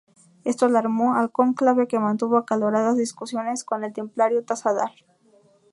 Esto alarmó al Cónclave, que mantuvo acaloradas discusiones con el Templario Tassadar.